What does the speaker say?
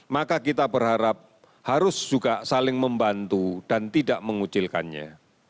maka kita berharap harus juga saling membantu dan tidak mengucilkannya